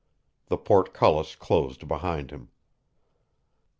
The "portcullis" closed behind him.